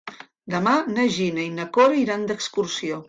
Demà na Gina i na Cora iran d'excursió.